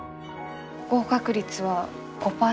合格率は５％。